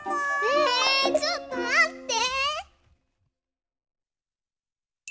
えちょっとまって！